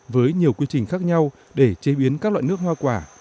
với nhiều quy trình khác nhau để chế biến các loại nước hoa quả